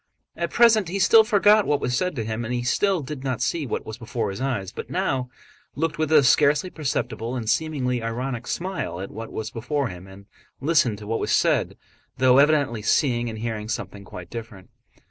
At present he still forgot what was said to him and still did not see what was before his eyes, but he now looked with a scarcely perceptible and seemingly ironic smile at what was before him and listened to what was said, though evidently seeing and hearing something quite different.